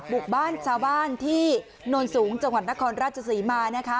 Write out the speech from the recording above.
บุกบ้านชาวบ้านที่โนนสูงจังหวัดนครราชศรีมานะคะ